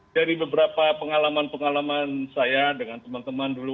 dari beberapa pengalaman pengalaman saya dengan teman teman dulu